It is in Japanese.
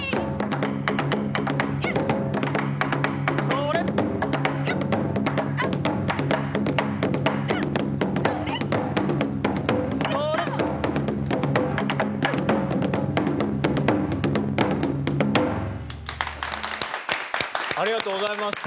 ありがとうございます。